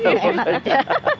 yang enak aja